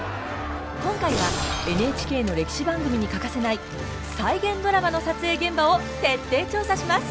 今回はＮＨＫの歴史番組に欠かせない再現ドラマの撮影現場を徹底調査します！